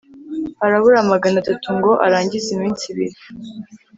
harabura magana atatu ngo arangize iminsi ibiri